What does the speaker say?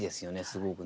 すごくね。